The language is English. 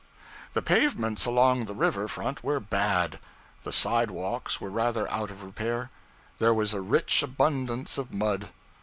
The pavements along the river front were bad: the sidewalks were rather out of repair; there was a rich abundance of mud.